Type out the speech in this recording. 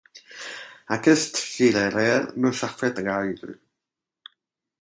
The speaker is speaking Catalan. Aquest cirerer no s'ha fet gaire.